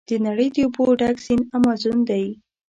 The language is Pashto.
د نړۍ د اوبو ډک سیند امازون دی.